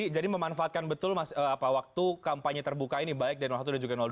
jadi memanfaatkan betul waktu kampanye terbuka ini baik dari satu dan juga dua